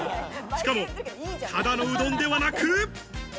しかも、ただのうどんではなく。